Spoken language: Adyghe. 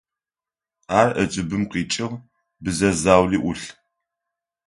Ар ӏэкӏыбым къикӏыгъ, бзэ заули ӏулъ.